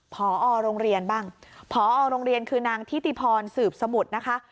พอโรงเรียนบ้างพอโรงเรียนคือนางทิติพรสืบสมุทรนะคะ